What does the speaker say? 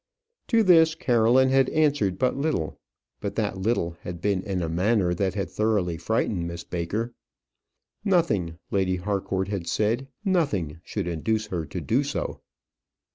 To this Caroline had answered but little; but that little had been in a manner that had thoroughly frightened Miss Baker. Nothing, Lady Harcourt had said, nothing should induce her to do so.